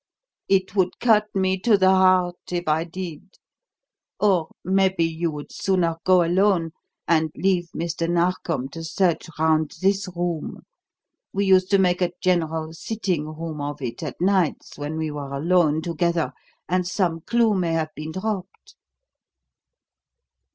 It would cut me to the heart if I did. Or, maybe, you would sooner go alone, and leave Mr. Narkom to search round this room. We used to make a general sitting room of it at nights when we were alone together, and some clue may have been dropped."